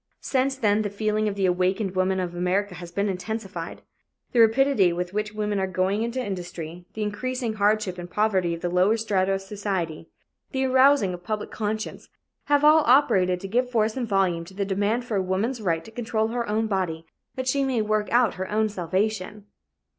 Since then the feeling of the awakened women of America has intensified. The rapidity with which women are going into industry, the increasing hardship and poverty of the lower strata of society, the arousing of public conscience, have all operated to give force and volume to the demand for woman's right to control her own body that she may work out her own salvation.